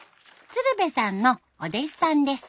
鶴瓶さんのお弟子さんです。